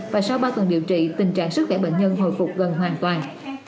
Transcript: và sau ba tuần điều trị tình trạng sức khỏe bệnh nhân hồi phục gần hoàn toàn